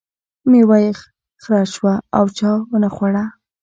میوه یې خره شوه او چا ونه خوړه.